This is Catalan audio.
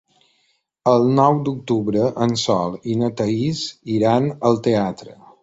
El nou d'octubre en Sol i na Thaís iran al teatre.